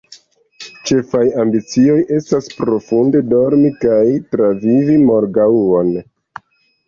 Ĉefaj ambicioj estas profunde dormi kaj travivi morgaŭon.